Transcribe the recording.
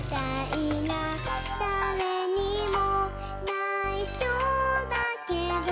「だれにもないしょだけど」